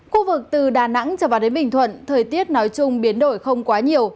khu vực từ đà nẵng trở vào đến bình thuận thời tiết nói chung biến đổi không quá nhiều